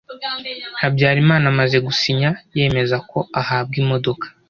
Habyarimana amaze gusinya yemeza ko ahabwa imodoka,